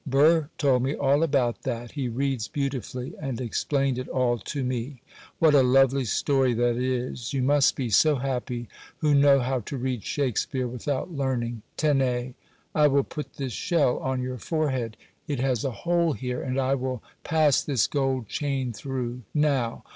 Burr told me all about that,—he reads beautifully, and explained it all to me. What a lovely story that is;—you must be so happy who know how to read Shakspeare without learning. Tenez! I will put this shell on your forehead,—it has a hole here, and I will pass this gold chain through—now!